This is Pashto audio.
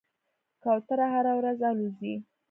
کوتره هره ورځ الوځي.